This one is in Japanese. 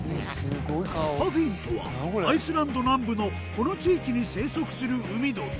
パフィンとはアイスランド南部のこの地域に生息する海鳥。